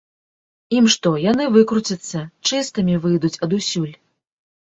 Ім што, яны выкруцяцца, чыстымі выйдуць адусюль.